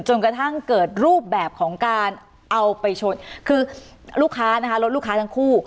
จนกระทั่งเกิดรูปแบบของการเอาไปชนคือลูกค้านะคะรถลูกค้าทั้งคู่